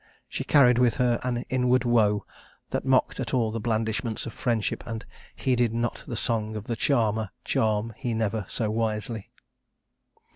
She carried with her an inward woe that mocked at all the blandishments of friendship, and 'heeded not the song of the charmer, charm he never so wisely.'